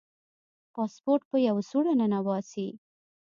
پاسپورټ په یوه سوړه ننباسي.